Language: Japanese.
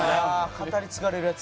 語り継がれるやつ。